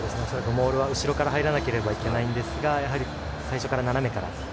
モールは後ろから入らなければならないんですが最初から、斜めから。